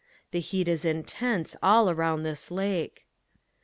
The heat is intense all around this lake.